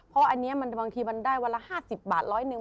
เพราะอันนี้บางทีมันได้วันละ๕๐บาท๑๐๐นึง